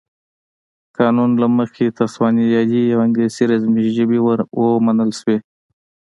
قانون له مخې تسوانایي او انګلیسي رسمي ژبې ومنل شوې.